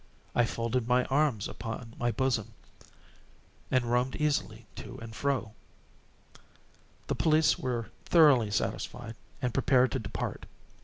I folded my arms upon my bosom, and roamed easily to and fro. The police were thoroughly satisfied and prepared to depart.